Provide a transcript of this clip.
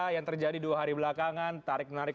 yang terjadi dua hari belakangan tarik menarik